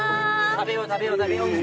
食べよう食べよう食べよう！